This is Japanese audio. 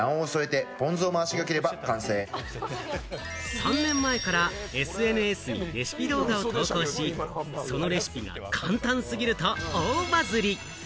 ３年前からＳＮＳにレシピ動画を投稿し、そのレシピが簡単過ぎると大バズり！